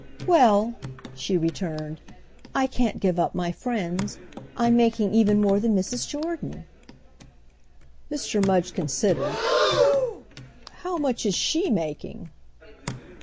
"Well," she returned, "I can't give up my friends. I'm making even more than Mrs. Jordan." Mr. Mudge considered. "How much is she making?"